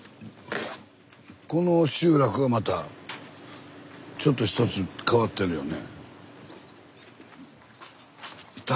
この集落がまたちょっとひとつ変わってるよね。